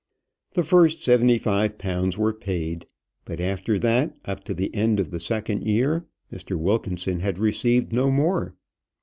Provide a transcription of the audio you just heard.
The first seventy five pounds were paid; but after that, up to the end of the second year, Mr. Wilkinson had received no more.